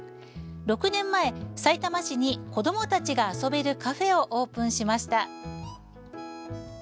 ６年前、さいたま市に子どもたちが遊べるカフェをオープンしました。